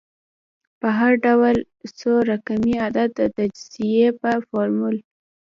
په هر ډول څو رقمي عدد د تجزیې په فورمول